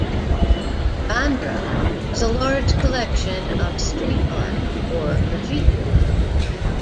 Bandra has a large collection of street art or graffiti.